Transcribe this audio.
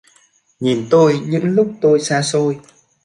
Nhìn tôi những lúc tôi xa xôi.